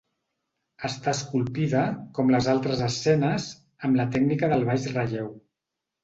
Està esculpida, com les altres escenes, amb la tècnica del baix relleu.